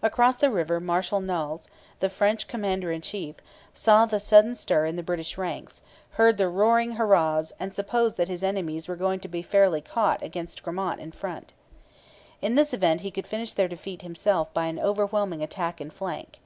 Across the river Marshal Noailles, the French commander in chief, saw the sudden stir in the British ranks, heard the roaring hurrahs, and supposed that his enemies were going to be fairly caught against Gramont in front. In this event he could finish their defeat himself by an overwhelming attack in flank.